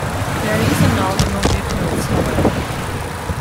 There is an audible difference, however.